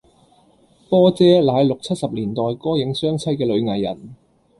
波姐乃六七拾年代歌影雙棲嘅女藝人